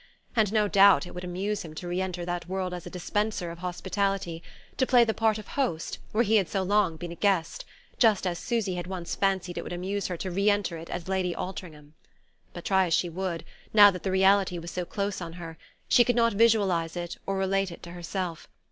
And no doubt it would amuse him to re enter that world as a dispenser of hospitality, to play the part of host where he had so long been a guest; just as Susy had once fancied it would amuse her to re enter it as Lady Altringham.... But, try as she would, now that the reality was so close on her, she could not visualize it or relate it to herself.